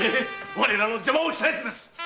われらの邪魔をしたやつです！